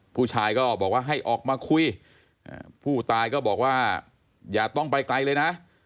ผู้ชายก็บอกว่าให้ออกมาคุยผู้ตายก็บอกว่าอย่าต้องไปไกลเลยนะ